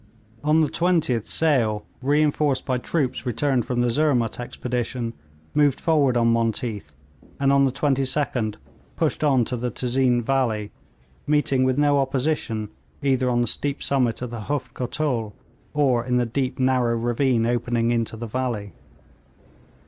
On the 20th Sale, reinforced by troops returned from the Zurmut expedition, moved forward on Monteath, and on the 22d pushed on to the Tezeen valley, meeting with no opposition either on the steep summit of the Huft Kotul or in the deep narrow ravine opening into the valley.